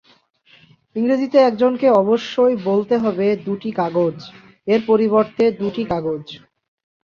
ইংরেজিতে, একজনকে অবশ্যই বলতে হবে, "দুইটি কাগজ" এর পরিবর্তে "দুইটি কাগজ"।